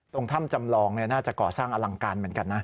ตรงถ้ำจำลองน่าจะก่อสร้างอลังการเหมือนกันนะ